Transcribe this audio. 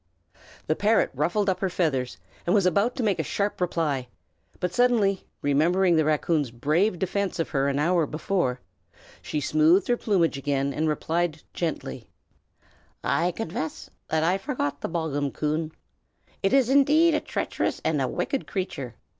The parrot ruffled up her feathers, and was about to make a sharp reply; but suddenly remembering the raccoon's brave defence of her an hour before, she smoothed her plumage again, and replied gently, "I confess that I forgot the bogghun, Coon. It is indeed a treacherous and a wicked creature!